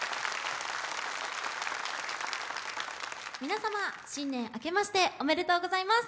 皆様、新年明けましておめでとうございます。